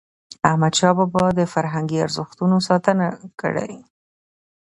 احمدشاه بابا د فرهنګي ارزښتونو ساتنه کړی.